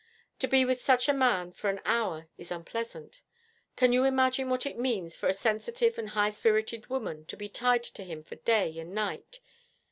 To be with such a man for an hour is unpleasant. Can you imagine what it means for a sensitive and high spirited woman to be tied to him for day and night?